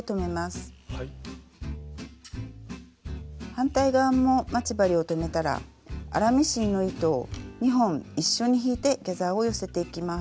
反対側も待ち針を留めたら粗ミシンの糸を２本一緒に引いてギャザーを寄せていきます。